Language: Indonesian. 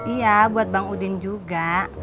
iya buat bang udin juga